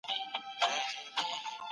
زه د زردالو په خوړلو بوخت یم.